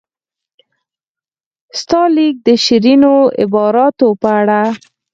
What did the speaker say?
ستا لیک د شیرینو عباراتو په اړه.